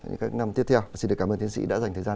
những năm tiếp theo xin được cảm ơn tiến sĩ đã dành thời gian